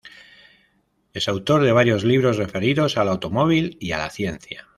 Es autor de varios libros referidos al automóvil y a la ciencia.